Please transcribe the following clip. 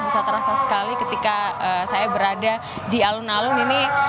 bisa terasa sekali ketika saya berada di alun alun ini